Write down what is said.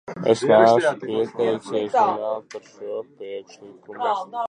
Es neesmu pieteicies runāt par šo priekšlikumu.